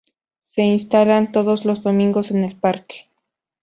Se instalan todos los domingos en el parque.